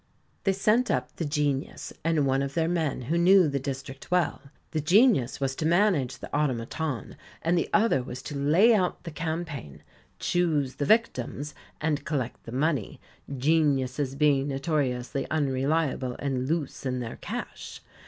They sent up the Genius, and one of their men who knew the district well. The Genius was to manage the automaton, and the other was to lay out the campaign, choose the victims, and collect the money, geniuses being notoriously unreliable and loose in their cash.